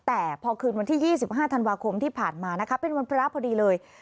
แต่พอคืนวันที่๒๕ธันวาคมที่ผ่านมานะคะเป็นวันพระพอดีเลย